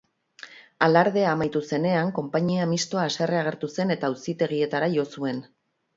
Alardea amaitu zenean, konpainia mistoa haserre agertu zen eta auzitegietara jo zuen.